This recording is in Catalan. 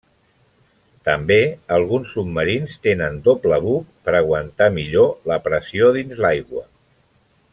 També alguns submarins tenen doble buc per aguantar millor la pressió dins l'aigua.